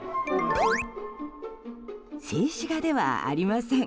静止画ではありません。